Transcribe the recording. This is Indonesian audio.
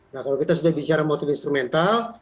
nah kalau kita sudah bicara motif instrumental